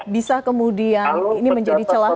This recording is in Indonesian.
bisa kemudian ini menjadi celah